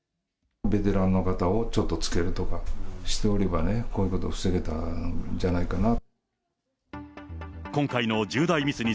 ベテランの方をちょっとつけるとかしておればね、こういうことを防げたんじゃないかな。